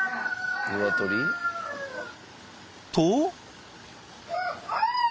［と］